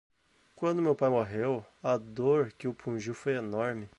Quando meu pai morreu, a dor que o pungiu foi enorme